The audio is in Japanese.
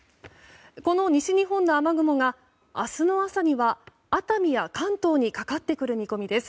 この西日本の雨雲が明日の朝には熱海や関東にかかってくる見込みです。